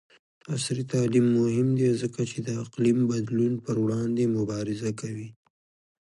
عصري تعلیم مهم دی ځکه چې د اقلیم بدلون پر وړاندې مبارزه کوي.